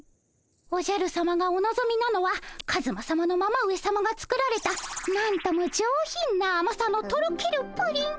おじゃるさまがおのぞみなのはカズマさまのママ上さまが作られたなんとも上品なあまさのとろけるプリン。